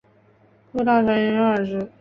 副大臣贰之。